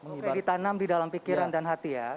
ditanam di dalam pikiran dan hati ya